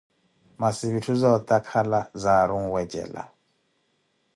Masi vitthu zootakhala zaari onwecela.